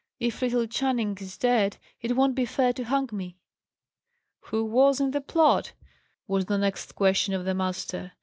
If little Channing is dead, it won't be fair to hang me." "Who was in the plot?" was the next question of the master.